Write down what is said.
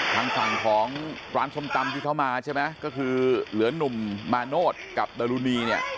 ทางฝั่งของร้านส้มตำที่เขามาใช่ไหมก็คือเหลือนุ่มมาโนธกับดรุณีเนี่ย